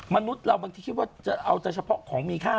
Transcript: มนุษย์เราบางทีคิดว่าจะเอาแต่เฉพาะของมีค่า